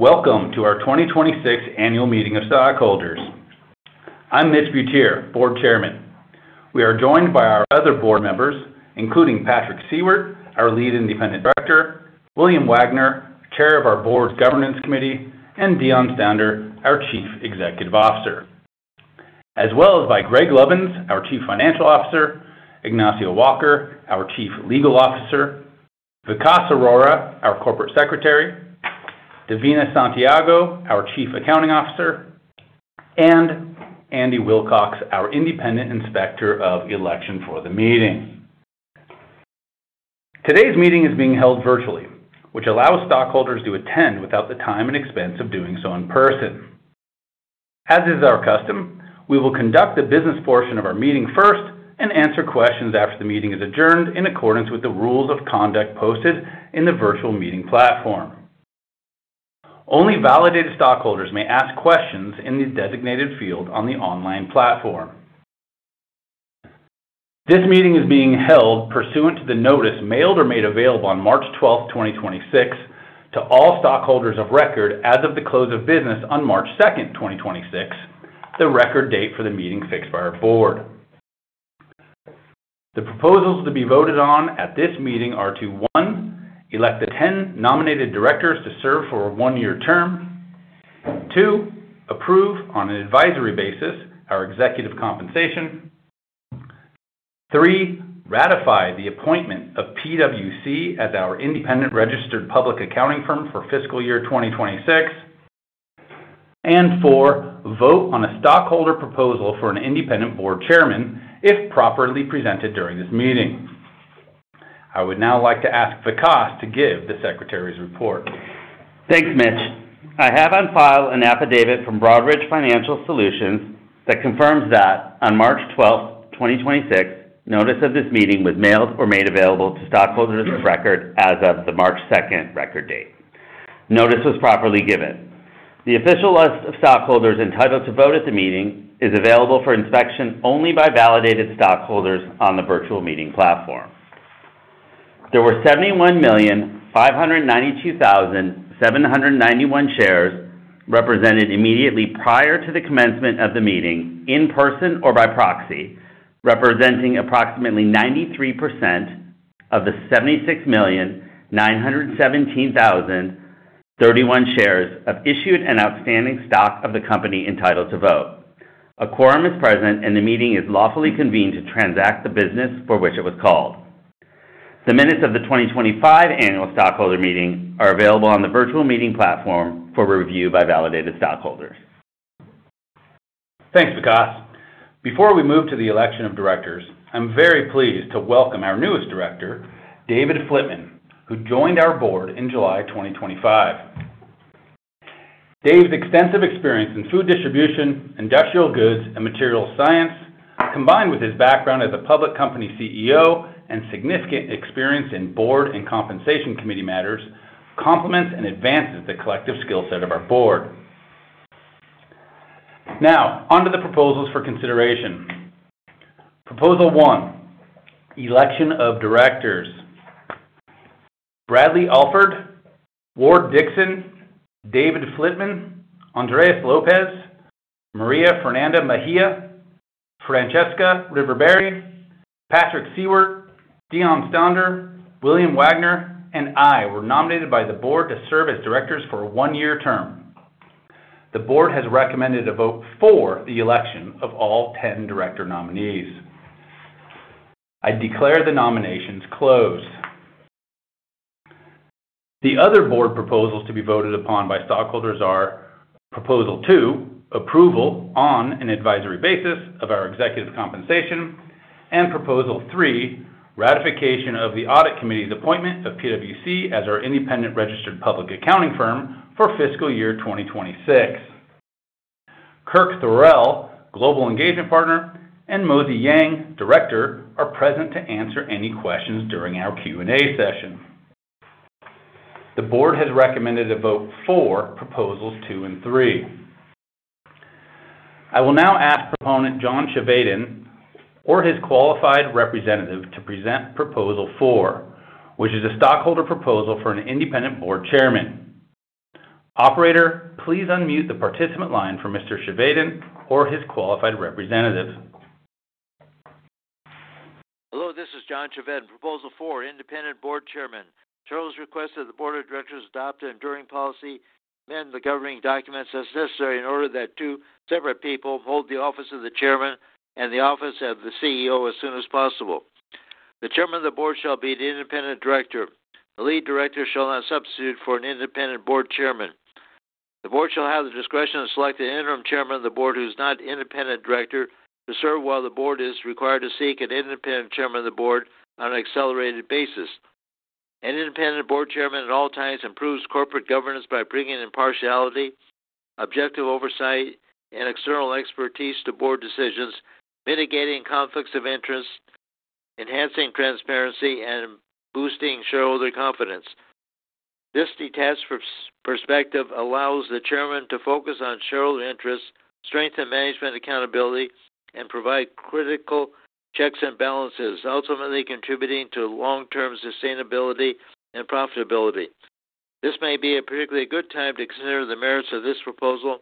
Welcome to our 2026 annual meeting of stockholders. I'm Mitch Butier, Board Chairman. We are joined by our other board members, including Patrick Siewert, our Lead Independent Director, William Wagner, Chair of our Board Governance Committee, and Deon Stander, our Chief Executive Officer, as well as by Greg Lovins, our Chief Financial Officer, Ignacio Walker, our Chief Legal Officer, Vikas Arora, our Corporate Secretary, Divina Santiago, our Chief Accounting Officer, and Andy Wilcox, our Independent Inspector of Election for the meeting. Today's meeting is being held virtually, which allows stockholders to attend without the time and expense of doing so in person. As is our custom, we will conduct the business portion of our meeting first and answer questions after the meeting is adjourned in accordance with the rules of conduct posted in the virtual meeting platform. Only validated stockholders may ask questions in the designated field on the online platform. This meeting is being held pursuant to the notice mailed or made available on 12th March 2026 to all stockholders of record as of the close of business on 2nd March 2026, the record date for the meeting fixed by our Board. The proposals to be voted on at this meeting are to, one, elect the 10 nominated Directors to serve for a one year term. two, approve on an advisory basis our executive compensation. three, ratify the appointment of PwC as our independent registered public accounting firm for fiscal year 2026. four, vote on a stockholder proposal for an independent Board Chairman if properly presented during this meeting. I would now like to ask Vikas to give the Secretary's report. Thanks, Mitch. I have on file an affidavit from Broadridge Financial Solutions that confirms that on 12th March 2026, notice of this meeting was mailed or made available to stockholders of record as of the March 2nd record date. Notice was properly given. The official list of stockholders entitled to vote at the meeting is available for inspection only by validated stockholders on the virtual meeting platform. There were 71,592,791 shares represented immediately prior to the commencement of the meeting in person or by proxy, representing approximately 93% of the 76,917,031 shares of issued and outstanding stock of the company entitled to vote. A quorum is present, and the meeting is lawfully convened to transact the business for which it was called. The minutes of the 2025 annual stockholder meeting are available on the virtual meeting platform for review by validated stockholders. Thanks, Vikas. Before we move to the election of directors, I'm very pleased to welcome our newest director, David Flitman, who joined our board in July 2025. Dave's extensive experience in food distribution, industrial goods, and material science, combined with his background as a public company CEO and significant experience in board and compensation committee matters, complements and advances the collective skill set of our board. On to the proposals for consideration. Proposal one, election of directors. Bradley Alford, Ward Dickson, David Flitman, Andres Lopez, Maria Fernanda Mejia, Francesca Reverberi, Patrick Siewert, Deon Stander, William Wagner, and I were nominated by the board to serve as directors for a one-year term. The board has recommended a vote for the election of all 10 director nominees. I declare the nominations closed. The other board proposals to be voted upon by stockholders are proposal two, approval on an advisory basis of our executive compensation, and proposal three, ratification of the audit committee's appointment of PwC as our independent registered public accounting firm for fiscal year 2026. Kirk Thurrell, global engagement partner, and Mozy Yang, director, are present to answer any questions during our Q&A session. The board has recommended a vote for proposals two and three. I will now ask proponent John Chevedden or his qualified representative to present proposal four, which is a stockholder proposal for an independent board chairman. Operator, please unmute the participant line for Mr. Chevedden or his qualified representative. Hello, this is John Chevedden, proposal four, independent board chairman. Charles requested the board of directors adopt an enduring policy, amend the governing documents as necessary in order that two separate people hold the office of the Chairman and the office of the CEO as soon as possible. The Chairman of the Board shall be the independent director. The lead director shall not substitute for an independent board chairman. The board shall have the discretion to select an interim chairman of the board who is not independent director to serve while the board is required to seek an independent chairman of the board on an accelerated basis. An independent board chairman at all times improves corporate governance by bringing impartiality, objective oversight, and external expertise to board decisions, mitigating conflicts of interest, enhancing transparency, and boosting shareholder confidence. This detached perspective allows the chairman to focus on shareholder interests, strengthen management accountability, and provide critical checks and balances, ultimately contributing to long-term sustainability and profitability. This may be a particularly good time to consider the merits of this proposal.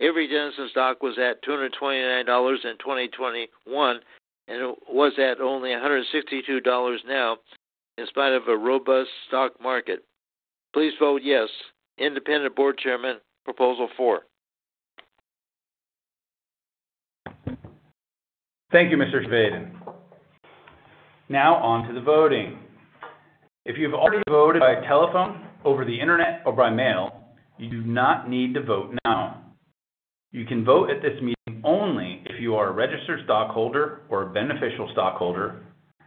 Avery Dennison stock was at $229 in 2021, and it was at only $162 now in spite of a robust stock market. Please vote yes. Independent board chairman, proposal four. Thank you, Mr. Chevedden.Now on to the voting. If you have already voted by telephone, over the internet or by mail, you do not need to vote now. You can vote at this meeting only if you are a registered stockholder or a beneficial stockholder,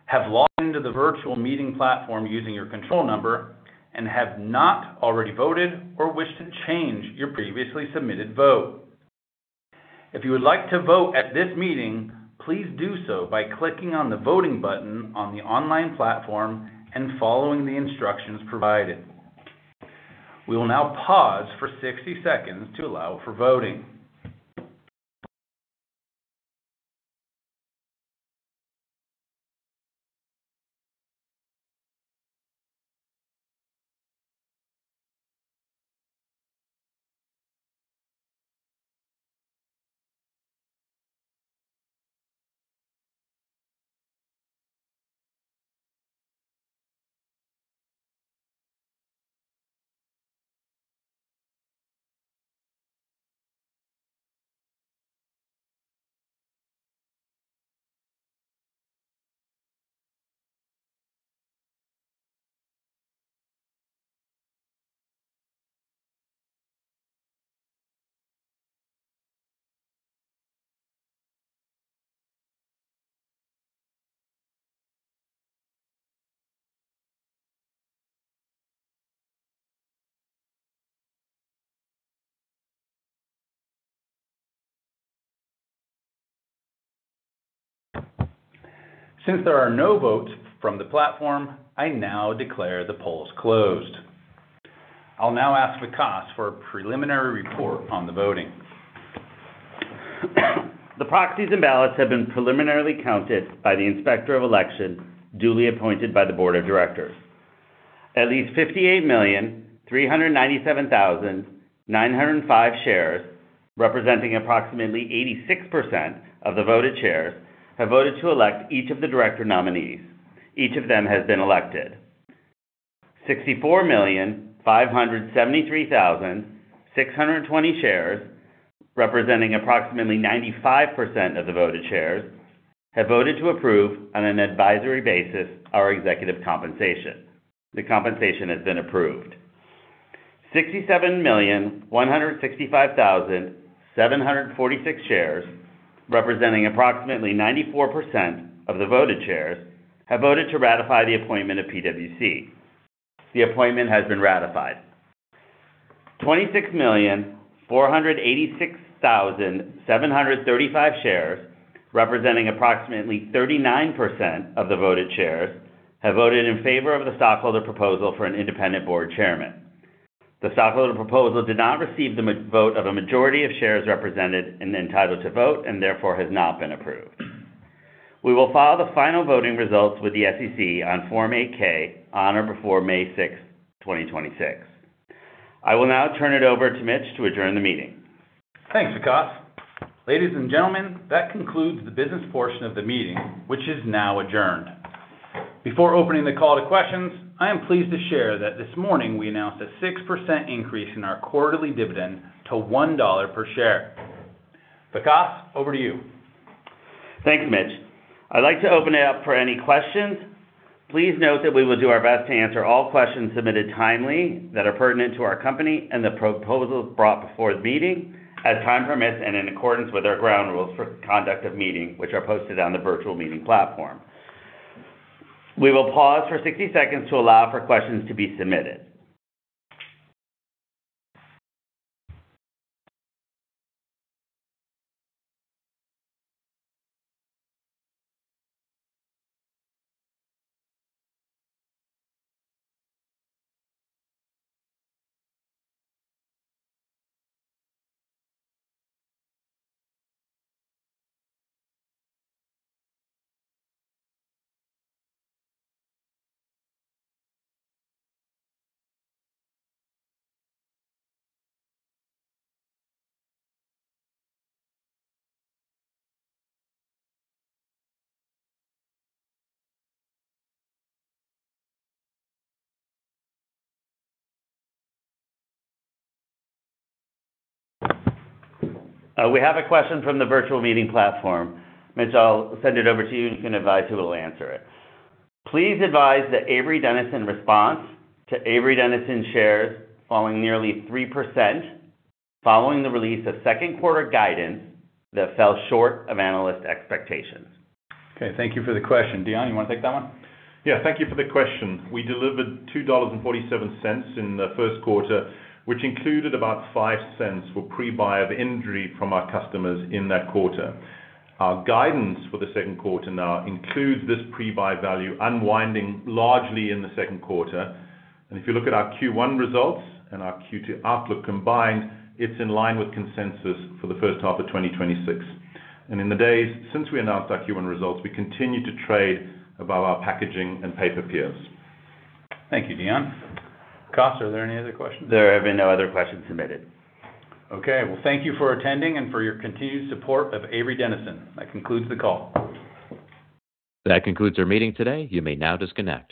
have logged into the virtual meeting platform using your control number, and have not already voted or wish to change your previously submitted vote. If you would like to vote at this meeting, please do so by clicking on the Voting button on the online platform and following the instructions provided. We will now pause for 60 seconds to allow for voting. There are no votes from the platform, I now declare the polls closed. I'll now ask Vikas for a preliminary report on the voting. The proxies and ballots have been preliminarily counted by the Inspector of Election, duly appointed by the Board of Directors. At least 58,397,905 shares, representing approximately 86% of the voted shares, have voted to elect each of the director nominees. Each of them has been elected. 64,573,620 shares, representing approximately 95% of the voted shares, have voted to approve on an advisory basis our executive compensation. The compensation has been approved. 67,165,746 shares, representing approximately 94% of the voted shares, have voted to ratify the appointment of PwC. The appointment has been ratified. 26,486,735 shares, representing approximately 39% of the voted shares, have voted in favor of the stockholder proposal for an independent board chairman. The stockholder proposal did not receive the vote of a majority of shares represented and entitled to vote, and therefore has not been approved. We will file the final voting results with the SEC on Form 8-K on or before 6th May 2026. I will now turn it over to Mitch to adjourn the meeting. Thanks, Vikas. Ladies and gentlemen, that concludes the business portion of the meeting, which is now adjourned. Before opening the call to questions, I am pleased to share that this morning we announced a 6% increase in our quarterly dividend to $1 per share. Vikas, over to you. Thanks, Mitch. I'd like to open it up for any questions. Please note that we will do our best to answer all questions submitted timely that are pertinent to our company and the proposals brought before the meeting as time permits and in accordance with our ground rules for conduct of meeting, which are posted on the virtual meeting platform. We will pause for 60 seconds to allow for questions to be submitted. We have a question from the virtual meeting platform. Mitch, I'll send it over to you, and you can advise who will answer it. Please advise the Avery Dennison response to Avery Dennison shares falling nearly 3% following the release of second quarter guidance that fell short of analyst expectations. Okay, thank you for the question. Deon, you wanna take that one? Yeah. Thank you for the question. We delivered $2.47 in the first quarter, which included about $0.05 for pre-buy of inventory from our customers in that quarter. Our guidance for the second quarter now includes this pre-buy value unwinding largely in the second quarter. If you look at our Q1 results and our Q2 outlook combined, it's in line with consensus for the first half of 2026. In the days since we announced our Q1 results, we continue to trade above our packaging and paper peers. Thank you, Deon. Vikas, are there any other questions? There have been no other questions submitted. Okay. Well, thank you for attending and for your continued support of Avery Dennison. That concludes the call. That concludes our meeting today. You may now disconnect.